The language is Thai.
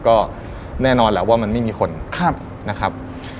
ก็แน่นอนแหละว่ามันไม่มีคนนะครับ